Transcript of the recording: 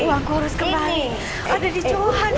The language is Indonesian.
uangku harus kembali ada di johan